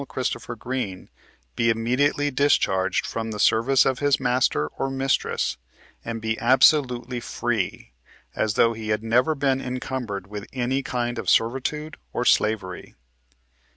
Christopher Green, be imme diately discharged from the service of his master or mistress, and be absolutely FREE, as though he had never been incumbered with any kind of servitude or slavery."